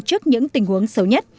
trước những tình huống xấu nhất